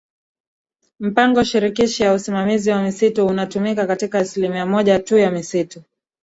Mpango Shirikishi wa Usimamizi wa Misitu unatumika katika Asilimia moja tu ya misitu